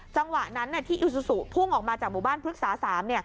จังหวะนั้นที่อิวซูซูพุ่งออกมาจากหมู่บ้านพฤกษา๓